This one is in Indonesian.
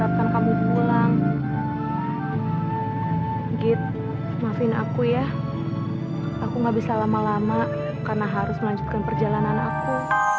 dapatkan kamu pulang git masin aku ya aku nggak bisa lama lama karena harus melanjutkan perjalanan aku